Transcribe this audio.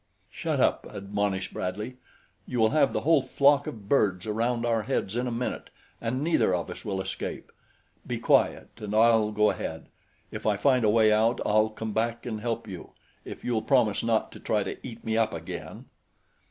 "Shut up!" admonished Bradley. "You will have the whole flock of birds around our heads in a minute, and neither of us will escape. Be quiet, and I'll go ahead. If I find a way out, I'll come back and help you, if you'll promise not to try to eat me up again."